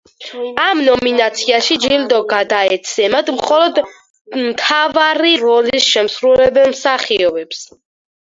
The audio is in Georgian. ამ ნომინაციაში ჯილდო გადაეცემათ მხოლოდ მთავარი როლის შემსრულებელ მსახიობებს.